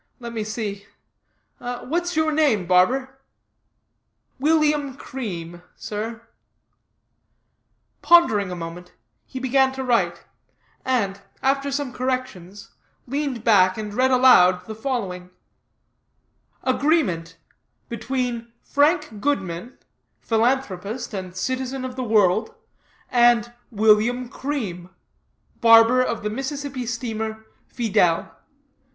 Let me see. What's your name, barber?" "William Cream, sir." Pondering a moment, he began to write; and, after some corrections, leaned back, and read aloud the following: "AGREEMENT Between FRANK GOODMAN, Philanthropist, and Citizen of the World, and WILLIAM CREAM, Barber of the Mississippi steamer, Fidèle.